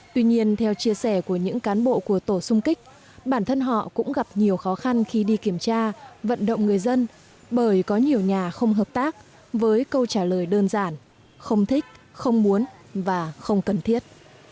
tuy nhiên theo chia sẻ của những cán bộ của tổ xung kích bản thân họ cũng gặp nhiều khó khăn khi đi kiểm tra vận động người dân bởi có nhiều nhà không hợp tác với câu trả lời đơn giản không thích không muốn và không cần thiết